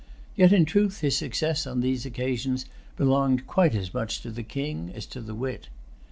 Yet in truth his success on these occasions belonged quite as much to the king as to the wit.